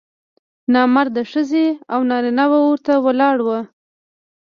نامراده ښځې او نارینه به ورته ولاړ وو.